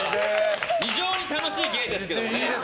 非常に楽しい芸ですけどね